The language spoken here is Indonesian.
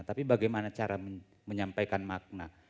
tapi bagaimana cara menyampaikan makna